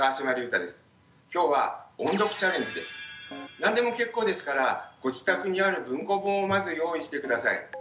何でも結構ですからご自宅にある文庫本をまず用意して下さい。